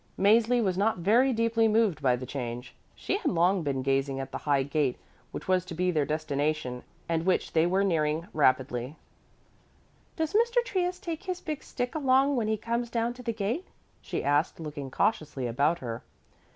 Mäzli was not very deeply moved by the change. She had long been gazing at the high gate which was to be their destination and which they were nearing rapidly. "Does Mr. Trius take his big stick along when he comes down to the gate?" she asked, looking cautiously about her.